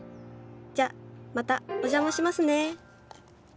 じゃあまたお邪魔しますね。